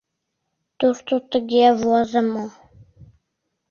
Тушто тыге возымо: